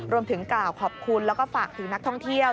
รวมถึงกล่าวขอบคุณแล้วก็ฝากถึงนักท่องเที่ยว